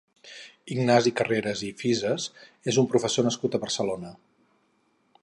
Ignasi Carreras i Fisas és un professor nascut a Barcelona.